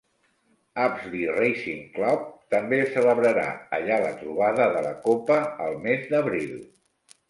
Apsley Racing Club també celebrarà allà la trobada de la copa al mes d"abril.